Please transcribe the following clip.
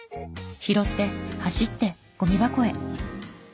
拾って走ってゴミ箱へ。